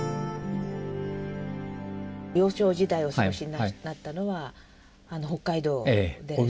幼少時代をお過ごしになったのは北海道でらっしゃる。